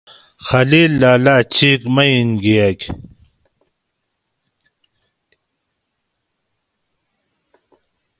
خلیل لالہ چِیک مئین گھیئگ